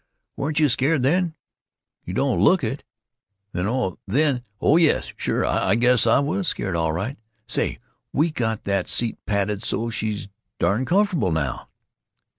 Weren't you scared then? You don't look it." "Then? Oh! Then. Oh yes, sure, I guess I was scared, all right!... Say, we got that seat padded so she's darn comfortable now."